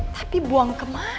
tapi buang kemana